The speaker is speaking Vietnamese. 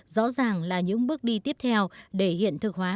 rõ ràng là những bước đi tiếp theo để hiện thực hóa